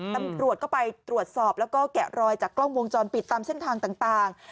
ตำรวจก็ไปตรวจสอบแล้วก็แกะรอยจากกล้องวงจรปิดตามเส้นทางต่าง